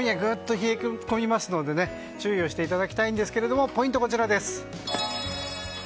特に今夜ぐっと冷え込みますので注意をしていただきたいんですがポイント、こちらです。